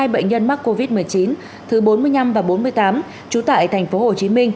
hai bệnh nhân mắc covid một mươi chín thứ bốn mươi năm và bốn mươi tám trú tại tp hcm